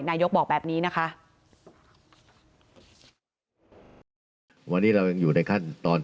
นายกบอกแบบนี้นะคะ